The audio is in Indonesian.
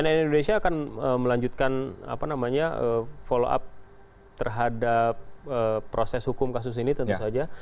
cnn indonesia akan melanjutkan follow up terhadap proses hukum kasus ini tentu saja